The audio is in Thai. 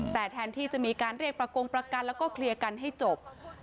แต่แทนที่จะมีการเรียกประกงประกันแล้วก็เคลียร์กันให้จบ